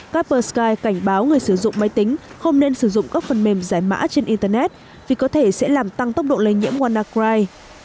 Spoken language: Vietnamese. capper sky cảnh báo người sử dụng máy tính không nên sử dụng các phần mềm giải mã trên internet vì có thể sẽ làm tăng tốc độ lây nhiễm wannacry